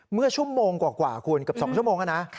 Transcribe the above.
เมื่อชั่วโมงกว่าคุณกับ๒ชั่วโมง